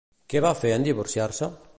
Què va fer en divorciar-se?